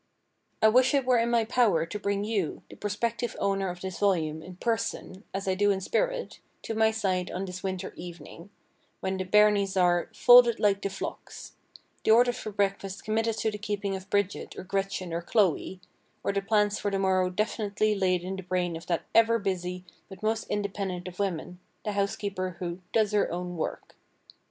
I wish it were in my power to bring you, the prospective owner of this volume, in person, as I do in spirit, to my side on this winter evening, when the bairnies are "folded like the flocks;" the orders for breakfast committed to the keeping of Bridget, or Gretchen, or Chloe, or the plans for the morrow definitely laid in the brain of that ever busy, but most independent of women, the housekeeper who "does her own work."